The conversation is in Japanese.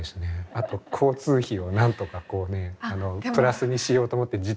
あと交通費をなんとかこうねプラスにしようと思って自転車で。